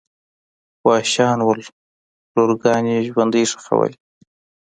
وحشیان ول لورګانې ژوندۍ ښخولې.